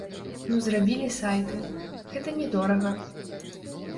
Ну зрабілі сайты, гэта не дорага.